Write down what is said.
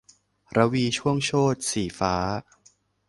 รวีช่วงโชติ - สีฟ้า